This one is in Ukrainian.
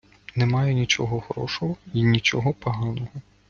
Немає нічого хорошого й нічого поганого.